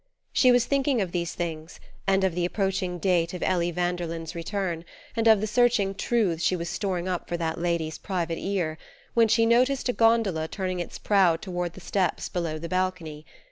She was thinking of these things, and of the approaching date of Ellie Vanderlyn's return, and of the searching truths she was storing up for that lady's private ear, when she noticed a gondola turning its prow toward the steps below the balcony.